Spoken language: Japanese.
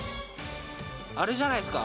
あれじゃないすか？